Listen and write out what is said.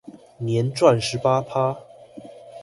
年賺十八趴